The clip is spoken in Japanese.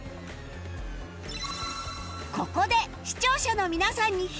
ここで視聴者の皆さんにヒント